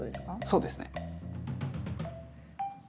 そうですね。